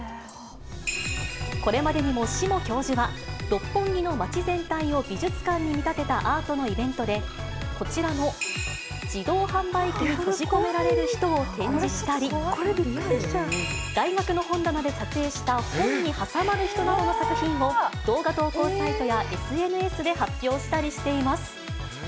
これまでにも志茂教授は、六本木の街全体を美術館に見立てたアートのイベントで、こちらの自動販売機に閉じ込められる人を展示したり、大学の本棚で撮影した本に挟まる人などの作品を、動画投稿サイトやＳＮＳで発表したりしています。